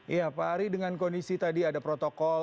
iya pak ari dengan kondisi tadi ada protokol